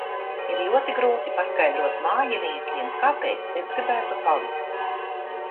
Ir ļoti grūti paskaidrot mājiniekiem, kāpēc es gribētu palikt.